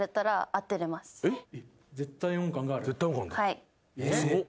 はい。